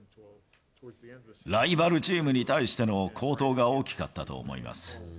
ライバルチームに対しての好投が大きかったと思います。